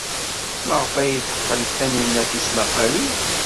Maɣef ay teqqen Taninna tismaqqalin?